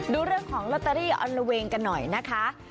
ดูเรื่องของลอตเตอรี่ออนระเวงกันหน่อยนะคะ